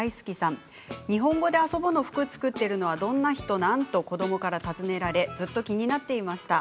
「にほんごであそぼ」の服を作っているのはどんな人なん？と子どもから尋ねられずっと気になっていました。